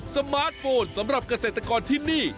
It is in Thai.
สมาร์ทโฟนสำหรับเกษตรกรที่นี่